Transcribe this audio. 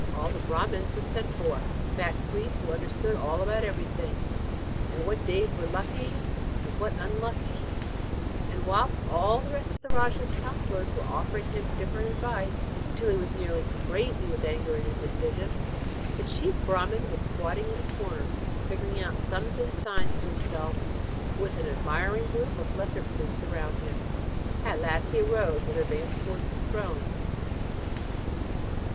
All the Brahmans were sent for fat priests who understood all about everything, and what days were lucky and what unlucky and, whilst all the rest of the rajah's councillors were offering him different advice until he was nearly crazy with anger and indecision, the chief Brahman was squatting in a corner figuring out sums and signs to himself with an admiring group of lesser priests around him. At last he arose, and advanced towards the throne.